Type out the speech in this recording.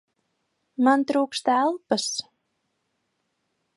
Man trūkst elpas!